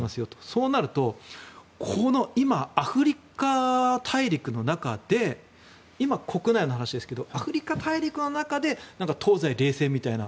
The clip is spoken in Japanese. そうなると今、アフリカ大陸の中で今、国内の話ですがアフリカ大陸の中で東西冷戦みたいな。